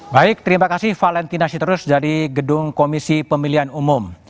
baik terima kasih valentina siterus dari gedung komisi pemilihan umum